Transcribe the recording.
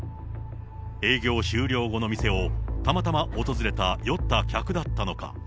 営業終了後の店を、たまたま訪れた酔った客だったのか。